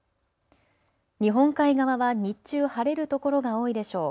日本海側は日中晴れる所が多いでしょう。